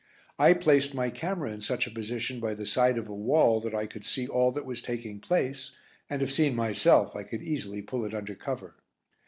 I placed my camera in such a position by the side of a wall that I could see all that was taking place and if seen myself I could easily pull it under cover.